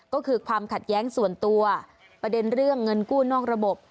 ก็คือความขัดแย้งส่วนตัวประเด็นเรื่องเงินกู้นอกระบบ